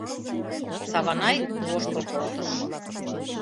Саванай воштыл колтыш.